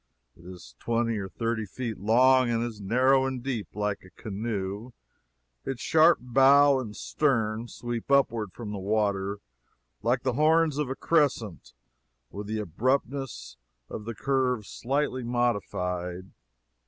It is twenty or thirty feet long, and is narrow and deep, like a canoe; its sharp bow and stern sweep upward from the water like the horns of a crescent with the abruptness of the curve slightly modified.